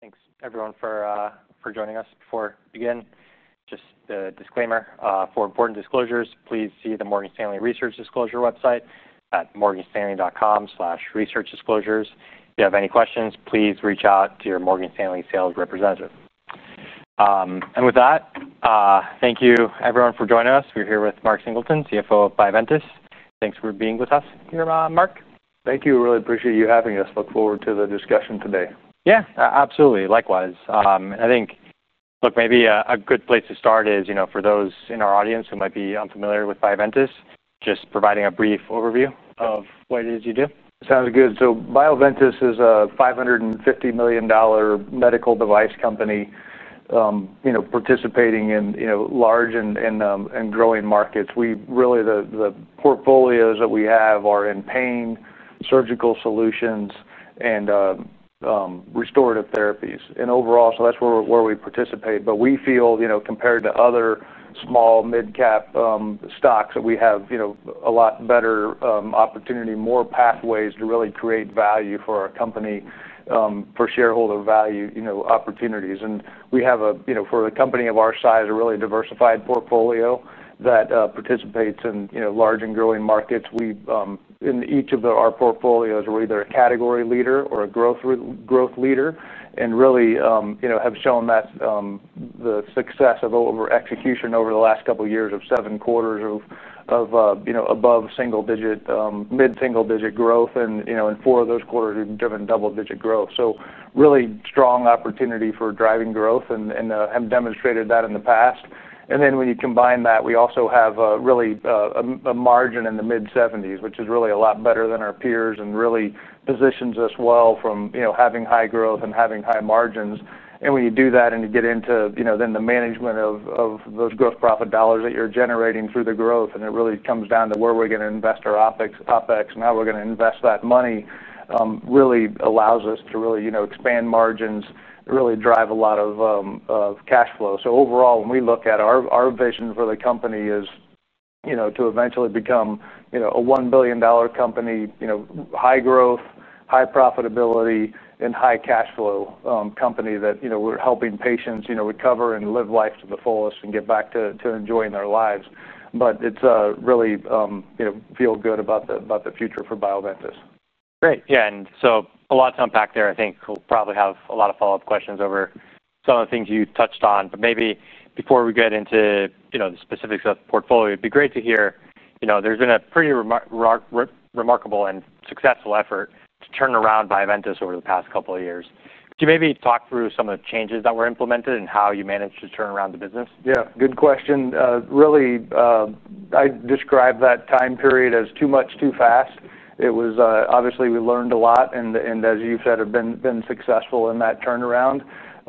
Thanks, everyone, for joining us. Before we begin, just a disclaimer. For important disclosures, please see the Morgan Stanley Research Disclosure website at morganstanley.com/researchdisclosures. If you have any questions, please reach out to your Morgan Stanley sales representative. Thank you, everyone, for joining us. We're here with Mark Singleton, CFO of Bioventus. Thanks for being with us here, Mark. Thank you. Really appreciate you having us. Look forward to the discussion today. Yeah, absolutely. Likewise. I think, look, maybe a good place to start is, you know, for those in our audience who might be unfamiliar with Bioventus, just providing a brief overview of what it is you do. Sounds good. Bioventus is a $550 million medical device company participating in large and growing markets. The portfolios that we have are in pain, surgical solutions, and restorative therapies. Overall, that's where we participate. We feel, compared to other small mid-cap stocks, that we have a lot better opportunity, more pathways to really create value for our company, for shareholder value, opportunities. For a company of our size, we have a really diversified portfolio that participates in large and growing markets. In each of our portfolios, we're either a category leader or a growth leader. We have shown the success of execution over the last couple of years with seven quarters of above single-digit, mid-single-digit growth. In four of those quarters, we've driven double-digit growth. There is a really strong opportunity for driving growth and we have demonstrated that in the past. When you combine that, we also have a margin in the mid-70%, which is a lot better than our peers and really positions us well from having high growth and having high margins. When you do that and you get into the management of those gross profit dollars that you're generating through the growth, it really comes down to where we're going to invest our OpEx and how we're going to invest that money. It really allows us to expand margins and really drive a lot of cash flow. Overall, when we look at our vision for the company, it is to eventually become a $1 billion company, high growth, high profitability, and high cash flow company that is helping patients recover and live life to the fullest and get back to enjoying their lives. We really feel good about the future for Bioventus. Great. Yeah, a lot to unpack there. I think we'll probably have a lot of follow-up questions over some of the things you touched on. Maybe before we get into the specifics of the portfolio, it'd be great to hear, there's been a pretty remarkable and successful effort to turn around Bioventus over the past couple of years. Could you maybe talk through some of the changes that were implemented and how you managed to turn around the business? Yeah, good question. Really, I'd describe that time period as too much, too fast. Obviously, we learned a lot and, as you said, have been successful in that turnaround.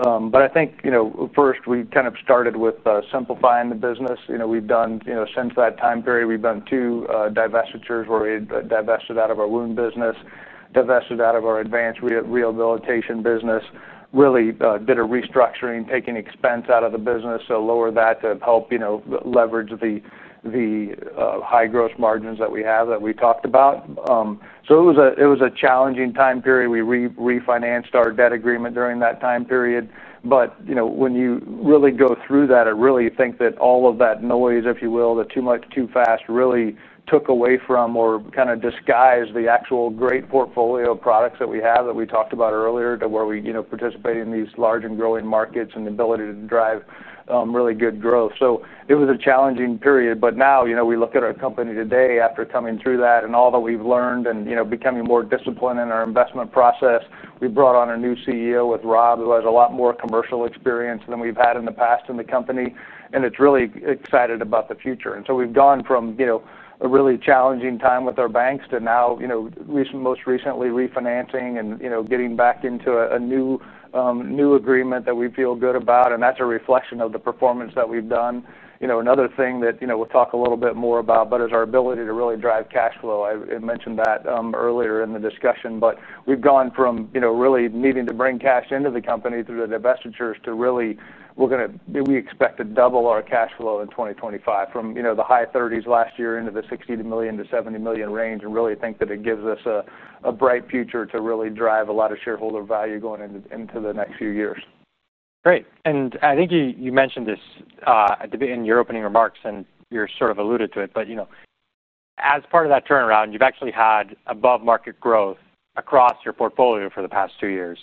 I think, you know, first, we kind of started with simplifying the business. We've done, since that time period, two divestitures where we divested out of our wound business, divested out of our advanced rehabilitation business, really did a restructuring, taking expense out of the business to lower that to help leverage the high gross margins that we have that we talked about. It was a challenging time period. We refinanced our debt agreement during that time period. When you really go through that, I really think that all of that noise, if you will, the too much, too fast, really took away from or kind of disguised the actual great portfolio products that we have that we talked about earlier to where we participate in these large and growing markets and the ability to drive really good growth. It was a challenging period. Now, we look at our company today after coming through that and all that we've learned and becoming more disciplined in our investment process. We brought on a new CEO with Rob, who has a lot more commercial experience than we've had in the past in the company. It's really exciting about the future. We've gone from a really challenging time with our banks to now, most recently refinancing and getting back into a new agreement that we feel good about. That's a reflection of the performance that we've done. Another thing that we'll talk a little bit more about is our ability to really drive cash flow. I had mentioned that earlier in the discussion. We've gone from really needing to bring cash into the company through the divestitures to really, we're going to, we expect to double our cash flow in 2025 from the high $30 million last year into the $60 million to $70 million range and really think that it gives us a bright future to really drive a lot of shareholder value going into the next few years. Great. I think you mentioned this in your opening remarks and you sort of alluded to it. As part of that turnaround, you've actually had above market growth across your portfolio for the past two years.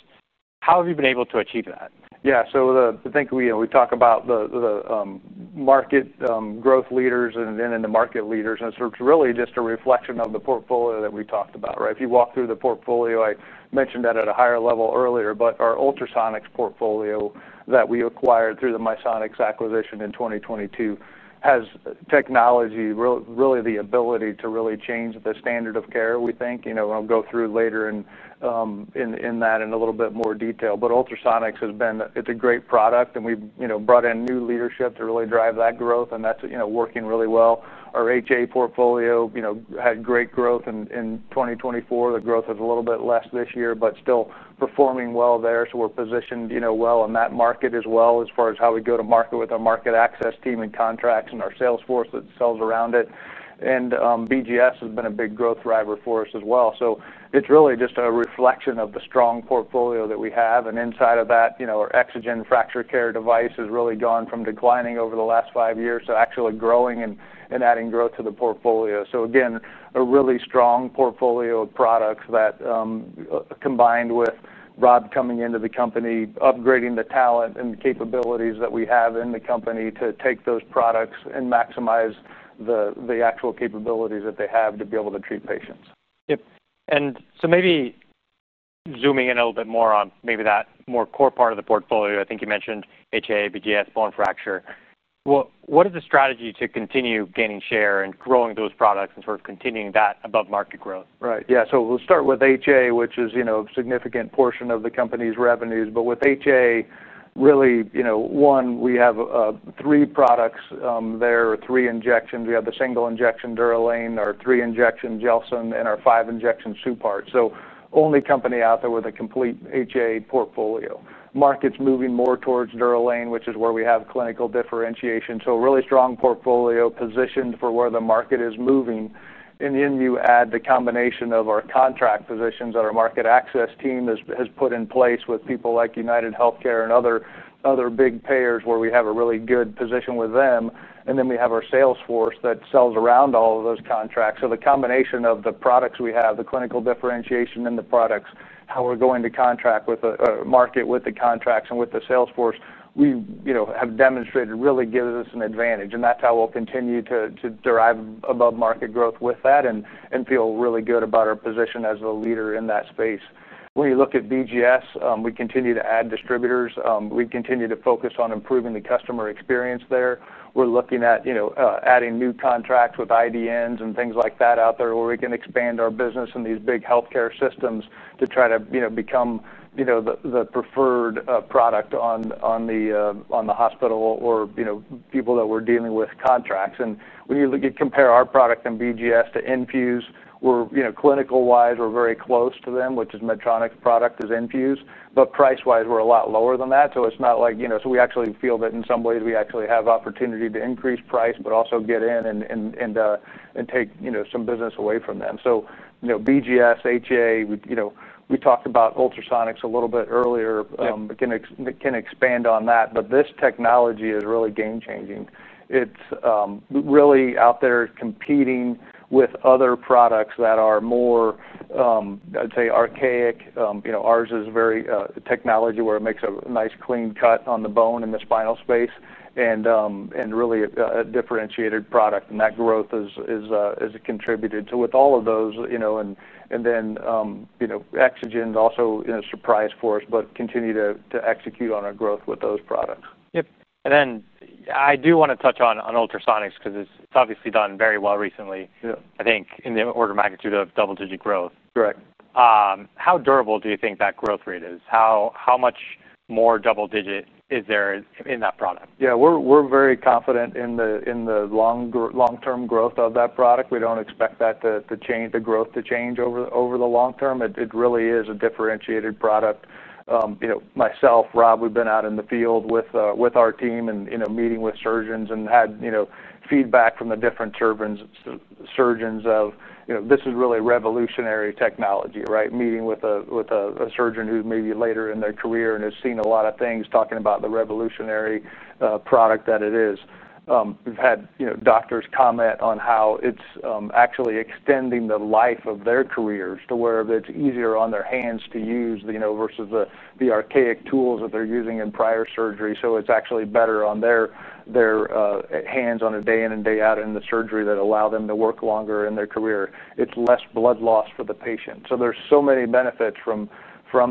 How have you been able to achieve that? Yeah. I think we talk about the market growth leaders and then the market leaders. It's really just a reflection of the portfolio that we talked about. If you walk through the portfolio, I mentioned that at a higher level earlier, but our ultrasonics portfolio that we acquired through the MySonics acquisition in 2022 has technology, really the ability to really change the standard of care, we think. I'll go through that in a little bit more detail later. Ultrasonics has been, it's a great product. We've brought in new leadership to really drive that growth, and that's working really well. Our HA portfolio had great growth in 2024. The growth is a little bit less this year, but still performing well there. We're positioned well in that market as far as how we go to market with our market access team and contracts and our sales force that sells around it. BGS has been a big growth driver for us as well. It's really just a reflection of the strong portfolio that we have. Inside of that, our Exogen fracture care device has really gone from declining over the last five years to actually growing and adding growth to the portfolio. Again, a really strong portfolio of products that, combined with Rob coming into the company, upgrading the talent and capabilities that we have in the company to take those products and maximize the actual capabilities that they have to be able to treat patients. Yep. Maybe zooming in a little bit more on that more core part of the portfolio, I think you mentioned HA, BGS, bone fracture. What is the strategy to continue gaining share and growing those products and sort of continuing that above market growth? Right. Yeah. We'll start with HA, which is a significant portion of the company's revenues. With HA, really, we have three products there, three injections. We have the single injection Duralane, our three injection Gelsyn, and our five injection Supartz. Only company out there with a complete HA portfolio. The market's moving more towards Duralane, which is where we have clinical differentiation. A really strong portfolio positioned for where the market is moving. You add the combination of our contract positions that our market access team has put in place with people like UnitedHealthcare and other big payers where we have a really good position with them. We have our sales force that sells around all of those contracts. The combination of the products we have, the clinical differentiation in the products, how we're going to contract with the market, with the contracts, and with the sales force, we have demonstrated really gives us an advantage. That's how we'll continue to drive above market growth with that and feel really good about our position as a leader in that space. When you look at BGS, we continue to add distributors. We continue to focus on improving the customer experience there. We're looking at adding new contracts with IDNs and things like that out there where we can expand our business in these big healthcare systems to try to become the preferred product on the hospital or people that we're dealing with contracts. When you compare our product in BGS to Infuse, clinical-wise, we're very close to them, which is Medtronic's product, Infuse. Price-wise, we're a lot lower than that. We actually feel that in some ways we have opportunity to increase price, but also get in and take some business away from them. BGS, HA, we talked about ultrasonics a little bit earlier. We can expand on that. This technology is really game-changing. It's really out there competing with other products that are more, I'd say, archaic. Ours is very technology where it makes a nice clean cut on the bone in the spinal space and really a differentiated product. That growth is contributed to with all of those, and Exogen is also a surprise for us, but continue to execute on our growth with those products. I do want to touch on ultrasonics because it's obviously done very well recently, I think, in the order of magnitude of double-digit growth. Correct. How durable do you think that growth rate is? How much more double-digit is there in that product? Yeah, we're very confident in the long-term growth of that product. We don't expect that to change, the growth to change over the long term. It really is a differentiated product. Myself, Rob, we've been out in the field with our team and meeting with surgeons and had feedback from the different surgeons of, you know, this is really revolutionary technology, right? Meeting with a surgeon who's maybe later in their career and has seen a lot of things, talking about the revolutionary product that it is. We've had doctors comment on how it's actually extending the life of their careers to where it's easier on their hands to use versus the archaic tools that they're using in prior surgery. It's actually better on their hands on a day in and day out in the surgery that allow them to work longer in their career. It's less blood loss for the patient. There are so many benefits from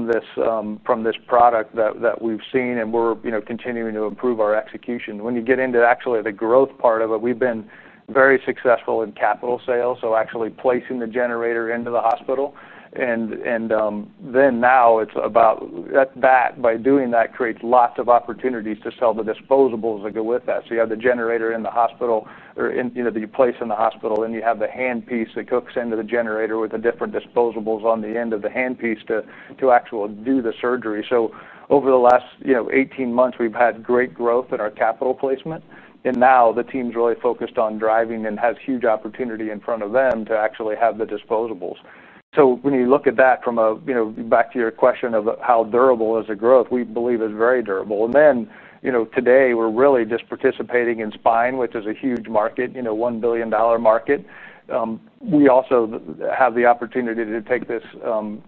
this product that we've seen and we're continuing to improve our execution. When you get into actually the growth part of it, we've been very successful in capital sales, so actually placing the generator into the hospital. By doing that, it creates lots of opportunities to sell the disposables that go with that. You have the generator in the hospital or that you place in the hospital, then you have the hand piece that hooks into the generator with the different disposables on the end of the hand piece to actually do the surgery. Over the last 18 months, we've had great growth in our capital placement. Now the team's really focused on driving and has huge opportunity in front of them to actually have the disposables. When you look at that from a, back to your question of how durable is the growth, we believe it's very durable. Today we're really just participating in spine, which is a huge market, $1 billion market. We also have the opportunity to take this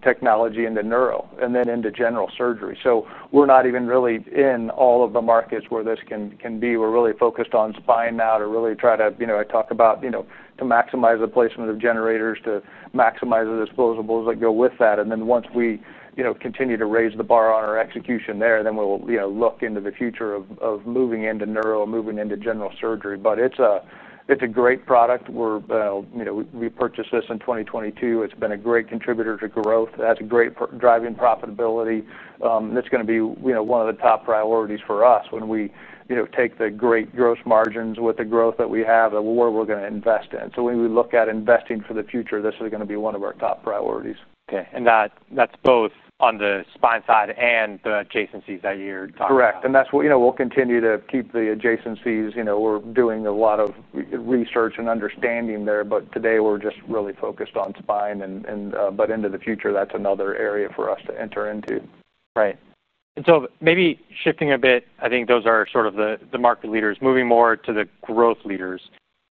technology into neuro and then into general surgery. We're not even really in all of the markets where this can be. We're really focused on spine now to really try to maximize the placement of generators, to maximize the disposables that go with that. Once we continue to raise the bar on our execution there, we'll look into the future of moving into neuro and moving into general surgery. It's a great product. We purchased this in 2022. It's been a great contributor to growth. That's a great driving profitability. That's going to be one of the top priorities for us when we take the great gross margins with the growth that we have and what we're going to invest in. When we look at investing for the future, this is going to be one of our top priorities. Okay. That's both on the spine side and the adjacencies that you're talking about. Correct. That's what we'll continue to keep, the adjacencies. We're doing a lot of research and understanding there. Today we're just really focused on spine, but into the future, that's another area for us to enter into. Right. Maybe shifting a bit, I think those are sort of the market leaders, moving more to the growth leaders.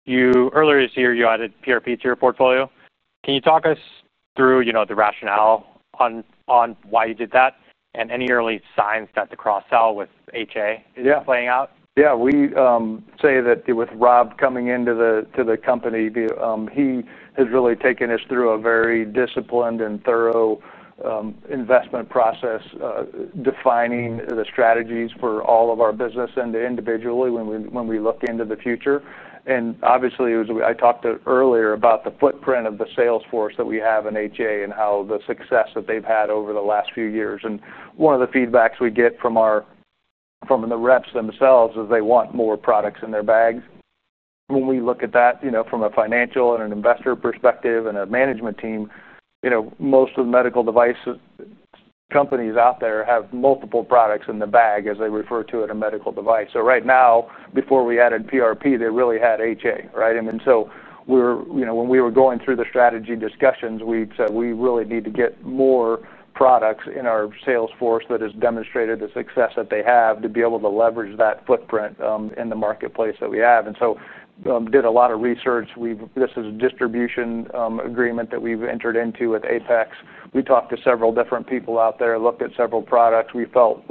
Earlier this year, you added PRP to your portfolio. Can you talk us through the rationale on why you did that and any early signs that the cross-sell with HA is playing out? Yeah. We say that with Rob Claypoole coming into the company, he has really taken us through a very disciplined and thorough investment process, defining the strategies for all of our business individually when we look into the future. Obviously, I talked earlier about the footprint of the sales force that we have in HA and the success that they've had over the last few years. One of the feedbacks we get from the reps themselves is they want more products in their bags. When we look at that from a financial and an investor perspective and a management team, most of the medical device companies out there have multiple products in the bag, as they refer to it, a medical device. Right now, before we added PRP, they really had HA, right? When we were going through the strategy discussions, we said we really need to get more products in our sales force that has demonstrated the success that they have to be able to leverage that footprint in the marketplace that we have. We did a lot of research. This is a distribution agreement that we've entered into with Apex. We talked to several different people out there, looked at several products. We felt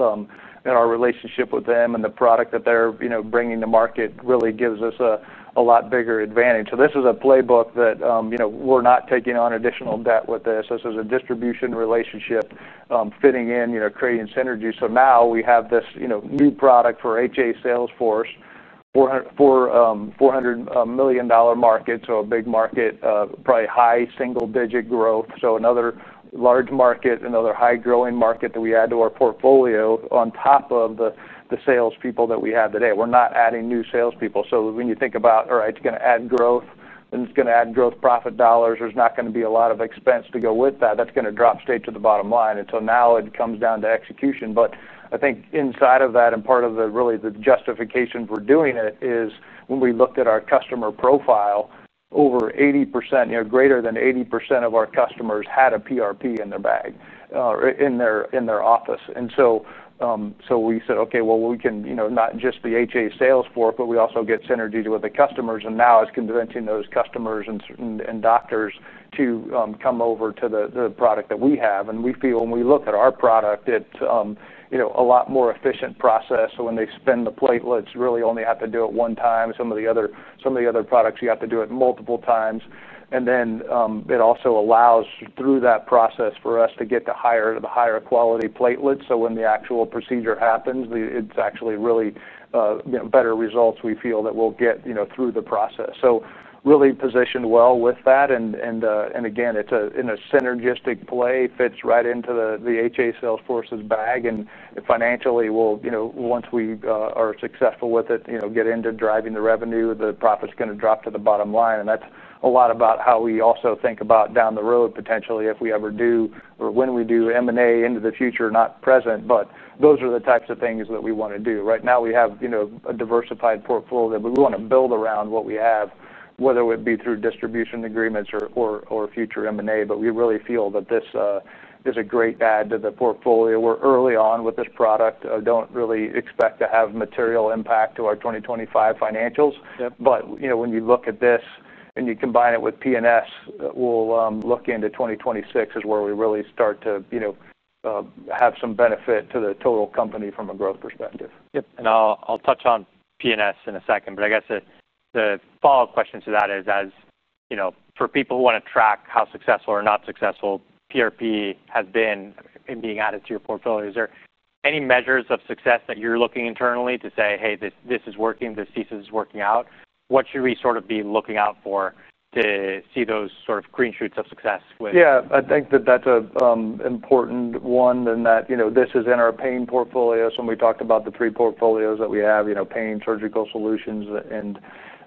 in our relationship with them and the product that they're bringing to market really gives us a lot bigger advantage. This is a playbook that we're not taking on additional debt with this. This is a distribution relationship, fitting in, creating synergy. Now we have this new product for HA sales force for a $400 million market. A big market, probably high single-digit growth. Another large market, another high-growing market that we add to our portfolio on top of the salespeople that we have today. We're not adding new salespeople. When you think about, all right, it's going to add growth and it's going to add gross profit dollars, there's not going to be a lot of expense to go with that. That's going to drop straight to the bottom line. It comes down to execution. I think inside of that and part of the really the justification for doing it is when we looked at our customer profile, over 80%, greater than 80% of our customers had a PRP in their bag or in their office. We said, okay, we can, not just the HA sales force, but we also get synergies with the customers. Now it's convincing those customers and doctors to come over to the product that we have. We feel when we look at our product, it's a lot more efficient process. When they spin the platelets, really only have to do it one time. Some of the other products, you have to do it multiple times. It also allows through that process for us to get the higher quality platelets. When the actual procedure happens, it's actually really better results we feel that we'll get through the process. Really positioned well with that. Again, it's a synergistic play, fits right into the HA sales force's bag. Financially, we'll, once we are successful with it, get into driving the revenue, the profit's going to drop to the bottom line. That's a lot about how we also think about down the road, potentially, if we ever do or when we do M&A into the future, not present. Those are the types of things that we want to do. Right now, we have a diversified portfolio that we want to build around what we have, whether it be through distribution agreements or future M&A. We really feel that this is a great add to the portfolio. We're early on with this product. I don't really expect to have material impact to our 2025 financials. When you look at this and you combine it with PNS, we'll look into 2026 is where we really start to have some benefit to the total company from a growth perspective. Yes. I'll touch on PNS in a second. I guess the follow-up question to that is, as you know, for people who want to track how successful or not successful PRP has been in being added to your portfolio, is there any measures of success that you're looking internally to say, hey, this is working, this thesis is working out? What should we sort of be looking out for to see those sort of green shoots of success with? Yeah, I think that that's an important one and that, you know, this is in our pain portfolios. When we talked about the three portfolios that we have, you know, pain, surgical solutions, and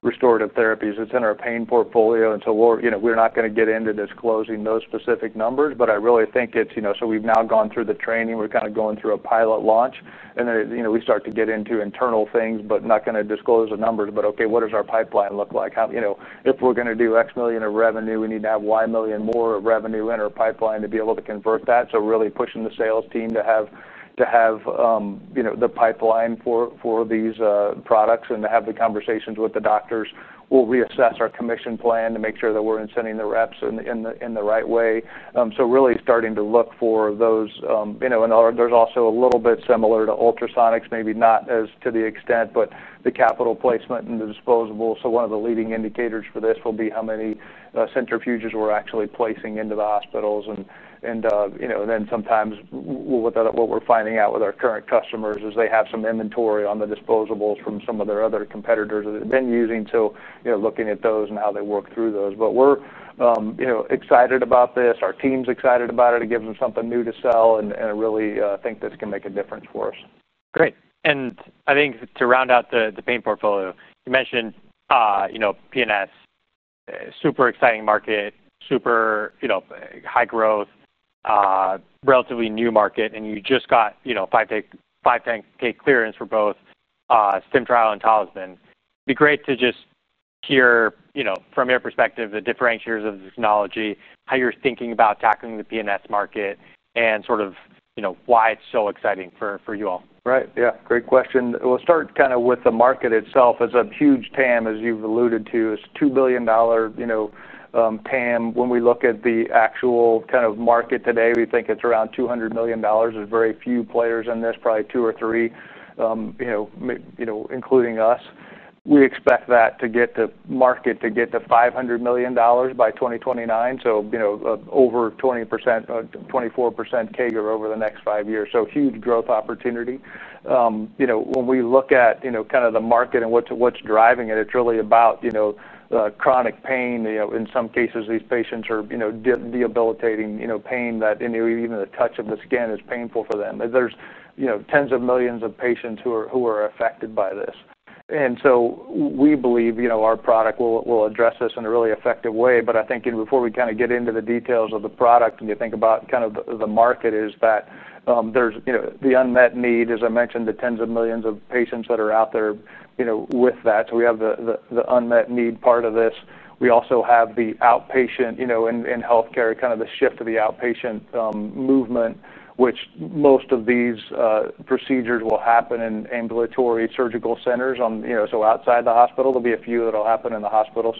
restorative therapies, it's in our pain portfolio. We're not going to get into disclosing those specific numbers, but I really think it's, you know, so we've now gone through the training. We're kind of going through a pilot launch. We start to get into internal things, but not going to disclose the numbers, but okay, what does our pipeline look like? If we're going to do X million of revenue, we need to have Y million more of revenue in our pipeline to be able to convert that. Really pushing the sales team to have, you know, the pipeline for these products and to have the conversations with the doctors. We'll reassess our commission plan to make sure that we're incenting the reps in the right way. Really starting to look for those, you know, and there's also a little bit similar to ultrasonics, maybe not as to the extent, but the capital placement and the disposables. One of the leading indicators for this will be how many centrifuges we're actually placing into the hospitals. Sometimes what we're finding out with our current customers is they have some inventory on the disposables from some of their other competitors that they've been using. Looking at those and how they work through those. We're excited about this. Our team's excited about it. It gives them something new to sell. I really think this can make a difference for us. Great. I think to round out the pain portfolio, you mentioned PNS, super exciting market, super high growth, relatively new market. You just got 510(k) clearance for both StimTrial and Talisman. It would be great to just hear from your perspective the differentiators of the technology, how you're thinking about tackling the PNS market, and sort of why it's so exciting for you all. Right. Yeah. Great question. We'll start kind of with the market itself. It's a huge TAM, as you've alluded to. It's a $2 billion, you know, TAM. When we look at the actual kind of market today, we think it's around $200 million. There's very few players in this, probably two or three, you know, including us. We expect the market to get to $500 million by 2029. Over 20%, 24% CAGR over the next five years. Huge growth opportunity. When we look at, you know, kind of the market and what's driving it, it's really about chronic pain. In some cases, these patients are, you know, debilitating, you know, pain that, you know, even the touch of the skin is painful for them. There's tens of millions of patients who are affected by this. We believe our product will address this in a really effective way. Before we kind of get into the details of the product and you think about kind of the market, there's the unmet need, as I mentioned, the tens of millions of patients that are out there with that. We have the unmet need part of this. We also have the outpatient, you know, in healthcare, kind of the shift to the outpatient movement, which most of these procedures will happen in ambulatory surgical centers. Outside the hospital, there'll be a few that'll happen in the hospital.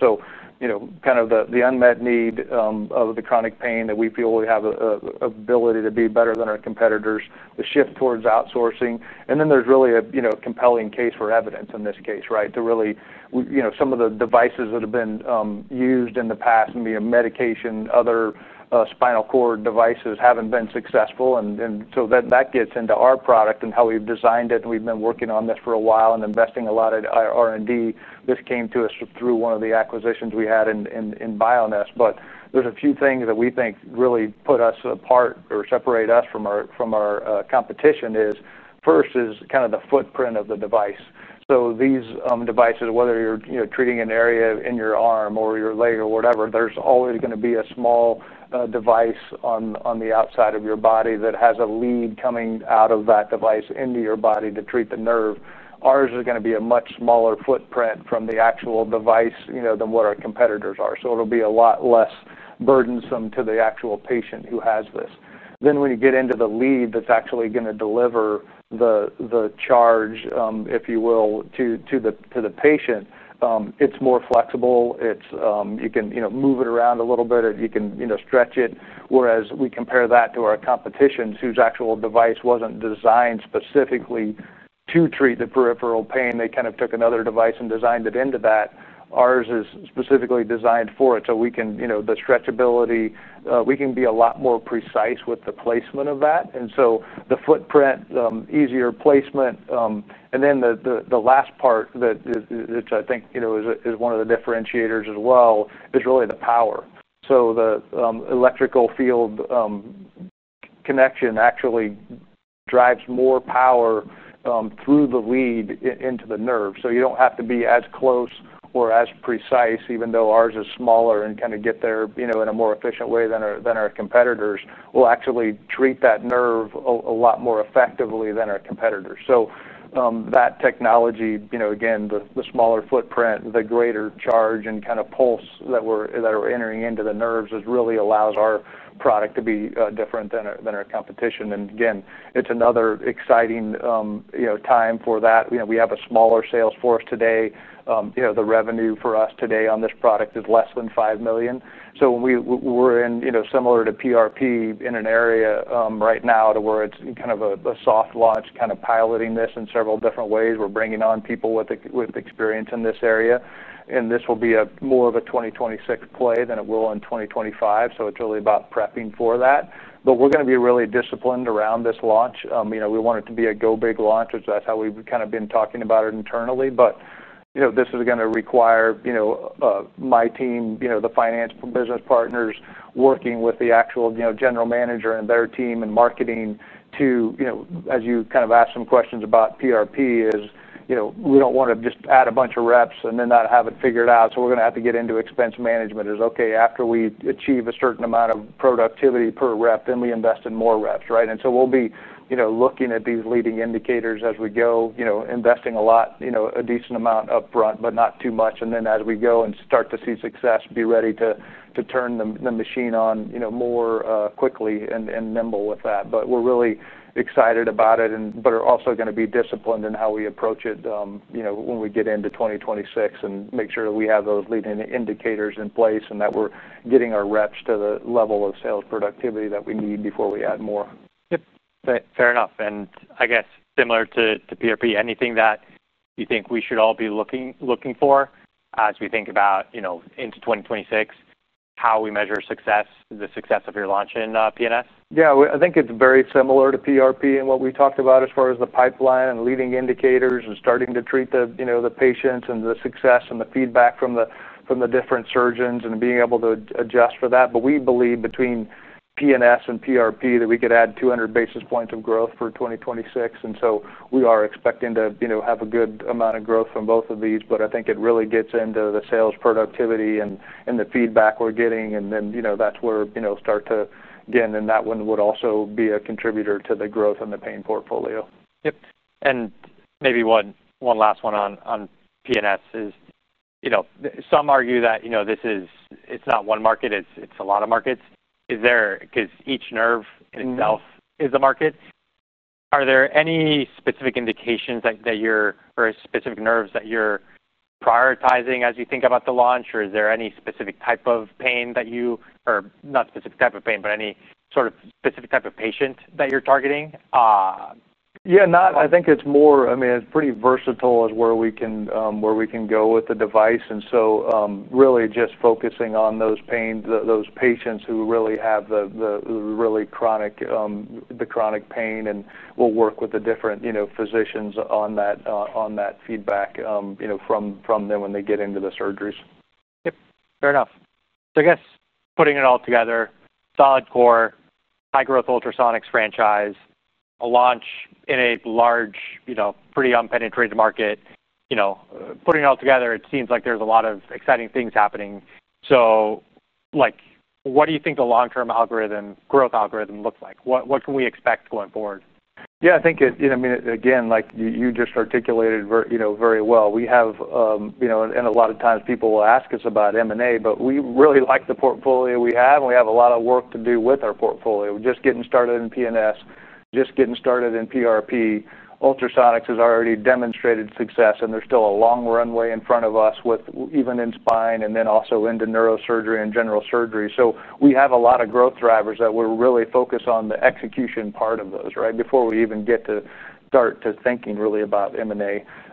The unmet need of the chronic pain that we feel we have an ability to be better than our competitors, the shift towards outsourcing. There's really a compelling case for evidence in this case, right, to really, you know, some of the devices that have been used in the past, maybe a medication, other spinal cord devices haven't been successful. That gets into our product and how we've designed it. We've been working on this for a while and investing a lot in R&D. This came to us through one of the acquisitions we had in Bioness. There are a few things that we think really put us apart or separate us from our competition. First is kind of the footprint of the device. These devices, whether you're treating an area in your arm or your leg or whatever, there's always going to be a small device on the outside of your body that has a lead coming out of that device into your body to treat the nerve. Ours is going to be a much smaller footprint from the actual device than what our competitors are. It will be a lot less burdensome to the actual patient who has this. When you get into the lead that's actually going to deliver the charge, if you will, to the patient, it's more flexible. You can move it around a little bit. You can stretch it. When we compare that to our competition, whose actual device wasn't designed specifically to treat the peripheral pain, they kind of took another device and designed it into that. Ours is specifically designed for it. The stretchability means we can be a lot more precise with the placement of that. The footprint, easier placement, and the last part that I think is one of the differentiators as well is really the power. The electrical field connection actually drives more power through the lead into the nerve. You don't have to be as close or as precise, even though ours is smaller, and kind of get there in a more efficient way than our competitors. We will actually treat that nerve a lot more effectively than our competitors. That technology, the smaller footprint, the greater charge and kind of pulse that are entering into the nerves has really allowed our product to be different than our competition. It is another exciting time for that. We have a smaller sales force today. The revenue for us today on this product is less than $5 million. We are in, similar to PRP, an area right now where it's kind of a soft launch, kind of piloting this in several different ways. We are bringing on people with experience in this area. This will be more of a 2026 play than it will in 2025. It is really about prepping for that. We are going to be really disciplined around this launch. We want it to be a go-big launch, which is how we've kind of been talking about it internally. This is going to require my team, the finance business partners working with the actual general manager and their team and marketing to, as you kind of asked some questions about PRP, we don't want to just add a bunch of reps and then not have it figured out. We are going to have to get into expense management. It's okay after we achieve a certain amount of productivity per rep, then we invest in more reps, right? We'll be looking at these leading indicators as we go, investing a decent amount upfront, but not too much. As we go and start to see success, be ready to turn the machine on more quickly and be nimble with that. We're really excited about it, but are also going to be disciplined in how we approach it when we get into 2026 and make sure that we have those leading indicators in place and that we're getting our reps to the level of sales productivity that we need before we add more. Fair enough. I guess similar to PRP, anything that you think we should all be looking for as we think about, you know, into 2026, how we measure success, the success of your launch in PNS? Yeah, I think it's very similar to PRP and what we talked about as far as the pipeline and leading indicators and starting to treat the patients and the success and the feedback from the different surgeons and being able to adjust for that. We believe between PNS and PRP that we could add 200 basis points of growth for 2026. We are expecting to have a good amount of growth from both of these. I think it really gets into the sales productivity and the feedback we're getting. That's where, again, that one would also be a contributor to the growth in the pain portfolio. Yes. Maybe one last one on PNS is, some argue that this is not one market. It's a lot of markets, because each nerve in itself is a market. Are there any specific indications that you're, or specific nerves that you're prioritizing as you think about the launch? Is there any specific type of pain that you, or not specific type of pain, but any sort of specific type of patient that you're targeting? I think it's more, I mean, it's pretty versatile where we can go with the device. Really just focusing on those patients who really have the really chronic pain, and we'll work with the different physicians on that feedback from them when they get into the surgeries. Fair enough. I guess putting it all together, solid core, high growth ultrasonics franchise, a launch in a large, you know, pretty unpenetrated market, putting it all together, it seems like there's a lot of exciting things happening. What do you think the long-term algorithm, growth algorithm looks like? What can we expect going forward? Yeah, I think it, you know, I mean, like you just articulated very well. We have, you know, a lot of times people will ask us about M&A, but we really like the portfolio we have, and we have a lot of work to do with our portfolio. We're just getting started in PNS, just getting started in PRP. Ultrasonics has already demonstrated success, and there's still a long runway in front of us even in spine and then also into neurosurgery and general surgery. We have a lot of growth drivers that we're really focused on the execution part of those, right, before we even get to start to thinking really about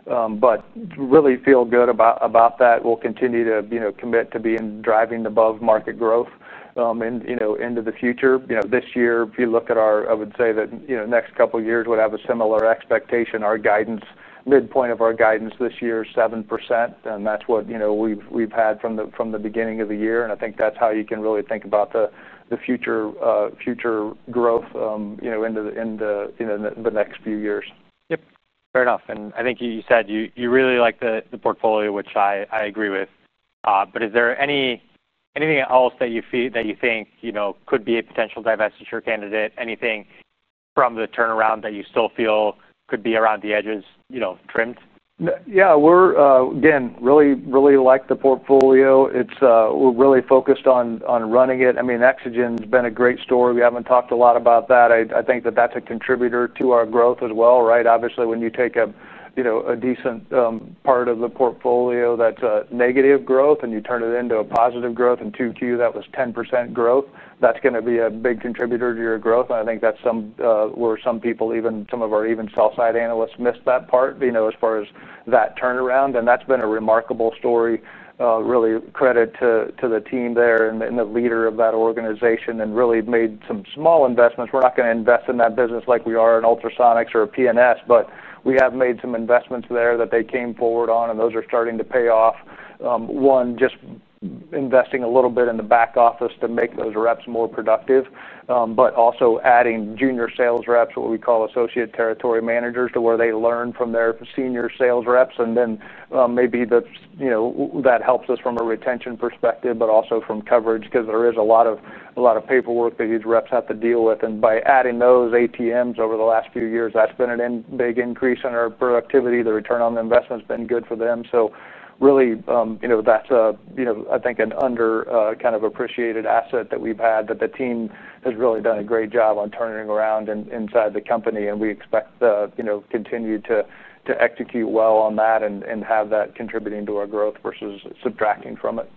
M&A. Really feel good about that. We'll continue to commit to being driving the above market growth and, you know, into the future. This year, if you look at our, I would say that next couple of years would have a similar expectation. Our guidance, midpoint of our guidance this year is 7%. That's what we've had from the beginning of the year. I think that's how you can really think about the future growth in the next few years. Fair enough. I think you said you really like the portfolio, which I agree with. Is there anything else that you think could be a potential divestiture candidate? Anything from the turnaround that you still feel could be around the edges, trimmed? Yeah, we really, really like the portfolio. We're really focused on running it. I mean, Exogen's been a great story. We haven't talked a lot about that. I think that that's a contributor to our growth as well, right? Obviously, when you take a decent part of the portfolio that's a negative growth and you turn it into a positive growth in Q2, that was 10% growth. That's going to be a big contributor to your growth. I think that's where some people, even some of our even sell-side analysts, miss that part, as far as that turnaround. That's been a remarkable story. Really credit to the team there and the leader of that organization and really made some small investments. We're not going to invest in that business like we are in ultrasonics or PNS, but we have made some investments there that they came forward on, and those are starting to pay off. One, just investing a little bit in the back office to make those reps more productive, but also adding junior sales reps, what we call Associate Territory Managers, to where they learn from their senior sales reps. Maybe that helps us from a retention perspective, but also from coverage because there is a lot of paperwork that these reps have to deal with. By adding those ATMs over the last few years, that's been a big increase in our productivity. The return on investment has been good for them. Really, that's an underappreciated asset that we've had that the team has really done a great job on turning around inside the company. We expect to continue to execute well on that and have that contributing to our growth versus subtracting from it.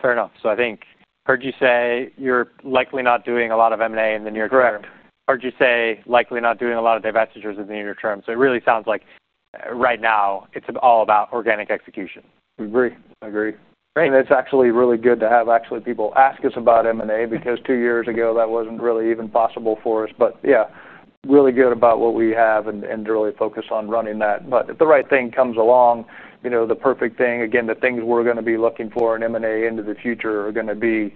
Fair enough. I think I heard you say you're likely not doing a lot of M&A in the near term. I heard you say likely not doing a lot of divestitures in the near term. It really sounds like right now it's all about organic execution. I agree. It's actually really good to have people ask us about M&A because two years ago that wasn't really even possible for us. Really good about what we have and really focus on running that. If the right thing comes along, you know, the perfect thing, again, the things we're going to be looking for in M&A into the future are going to be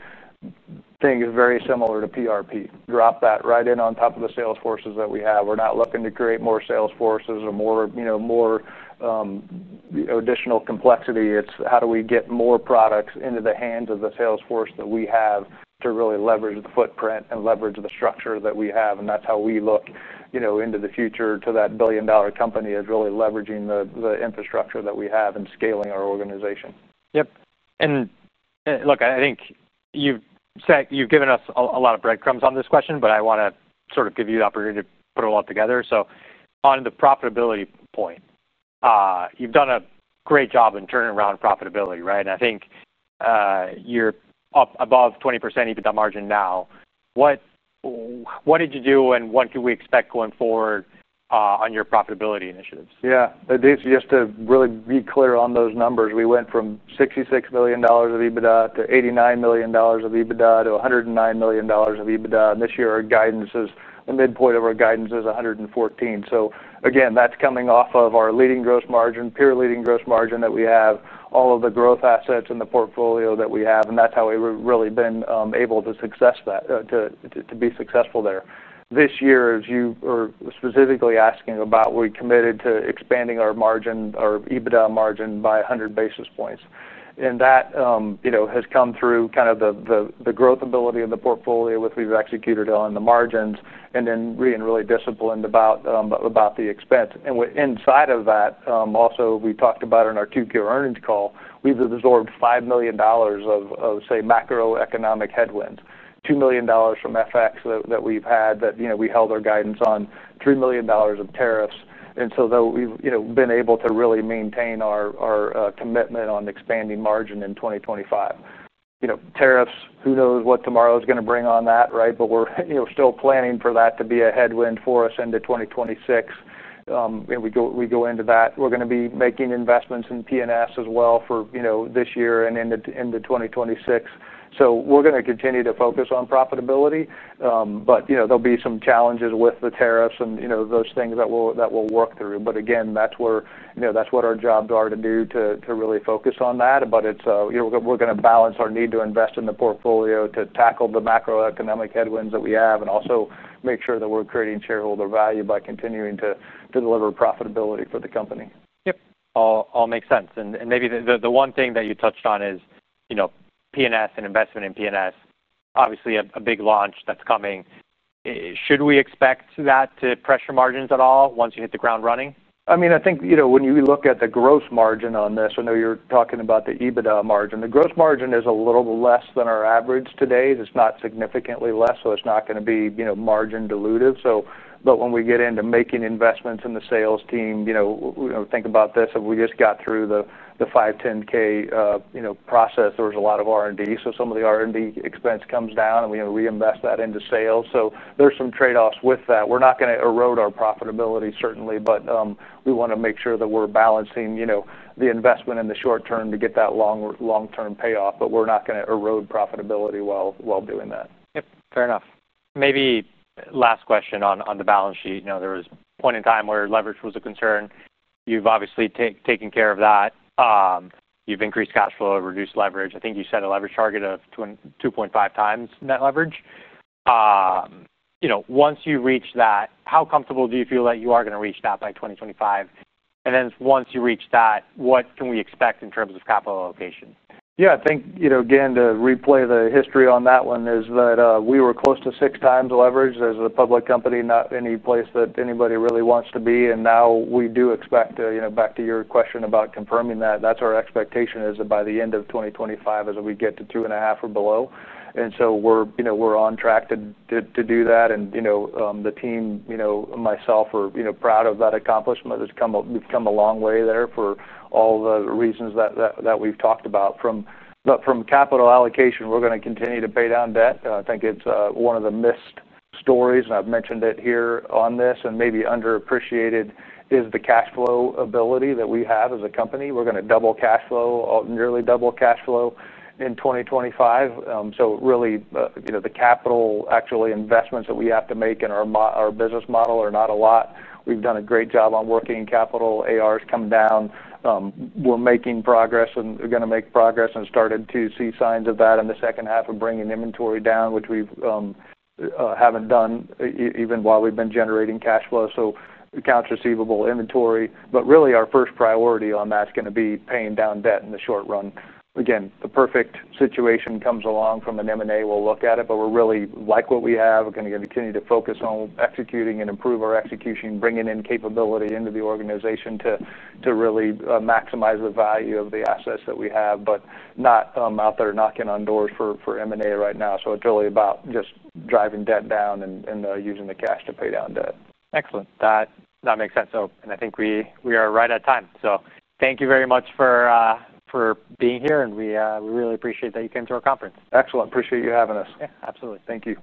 things very similar to PRP. Drop that right in on top of the sales forces that we have. We're not looking to create more sales forces or more additional complexity. It's how do we get more products into the hands of the sales force that we have to really leverage the footprint and leverage the structure that we have. That's how we look into the future to that billion-dollar company, really leveraging the infrastructure that we have and scaling our organization. Yep. I think you've said you've given us a lot of breadcrumbs on this question, but I want to sort of give you the opportunity to put it all together. On the profitability point, you've done a great job in turnaround profitability, right? I think you're up above 20% EBITDA margin now. What did you do and what can we expect going forward, on your profitability initiatives? Yeah, I think just to really be clear on those numbers, we went from $66 million of EBITDA to $89 million of EBITDA to $109 million of EBITDA. This year, our guidance is the midpoint of our guidance is $114 million. That's coming off of our leading gross margin, pure leading gross margin that we have, all of the growth assets in the portfolio that we have. That's how we've really been able to be successful there. This year, as you are specifically asking about, we committed to expanding our margin, our EBITDA margin by 100 basis points. That has come through kind of the growth ability in the portfolio. We've executed on the margins and then been really disciplined about the expense. Inside of that, also we talked about in our Q2 earnings call, we've absorbed $5 million of, say, macroeconomic headwind, $2 million from FX that we've had that we held our guidance on, $3 million of tariffs. We've been able to really maintain our commitment on expanding margin in 2025. Tariffs, who knows what tomorrow is going to bring on that, right? We're still planning for that to be a headwind for us into 2026. We go into that. We're going to be making investments in PNS as well for this year and into 2026. We're going to continue to focus on profitability. There'll be some challenges with the tariffs and those things that we'll work through. That's what our jobs are to do, to really focus on that. We're going to balance our need to invest in the portfolio to tackle the macroeconomic headwinds that we have and also make sure that we're creating shareholder value by continuing to deliver profitability for the company. Yep. All makes sense. Maybe the one thing that you touched on is, you know, PNS and investment in PNS, obviously a big launch that's coming. Should we expect that to pressure margins at all once you hit the ground running? I mean, I think, you know, when you look at the gross margin on this, I know you're talking about the EBITDA margin. The gross margin is a little less than our average today. It's not significantly less. It's not going to be, you know, margin diluted. When we get into making investments in the sales team, you know, think about this. If we just got through the 510(k) process, there's a lot of R&D. Some of the R&D expense comes down and we invest that into sales. There's some trade-offs with that. We're not going to erode our profitability, certainly, but we want to make sure that we're balancing, you know, the investment in the short term to get that long-term payoff. We're not going to erode profitability while doing that. Yep. Fair enough. Maybe last question on the balance sheet. You know, there was a point in time where leverage was a concern. You've obviously taken care of that. You've increased cash flow, reduced leverage. I think you said a leverage target of 2.5 times net leverage. You know, once you reach that, how comfortable do you feel that you are going to reach that by 2025? Once you reach that, what can we expect in terms of capital allocation? Yeah, I think, you know, again, to replay the history on that one is that we were close to 6 times leverage as a public company, not any place that anybody really wants to be. Now we do expect, you know, back to your question about confirming that, that's our expectation is that by the end of 2025, we get to 2.5 or below. We're on track to do that. The team and myself are proud of that accomplishment. We've come a long way there for all the reasons that we've talked about. From capital allocation, we're going to continue to pay down debt. I think it's one of the missed stories, and I've mentioned it here on this, and maybe underappreciated is the cash flow ability that we have as a company. We're going to double cash flow, nearly double cash flow in 2025. Really, the capital investments that we have to make in our business model are not a lot. We've done a great job on working capital. ARs come down. We're making progress and we're going to make progress and started to see signs of that in the second half of bringing inventory down, which we haven't done even while we've been generating cash flow. Accounts receivable, inventory. Really, our first priority on that's going to be paying down debt in the short run. The perfect situation comes along from an M&A, we'll look at it, but we really like what we have. We're going to continue to focus on executing and improve our execution, bringing in capability into the organization to really maximize the value of the assets that we have, but not out there knocking on doors for M&A right now. It's really about just driving debt down and using the cash to pay down debt. Excellent. That makes sense. I think we are right at time. Thank you very much for being here, and we really appreciate that you came to our conference. Excellent. Appreciate you having us. Yeah, absolutely. Thank you.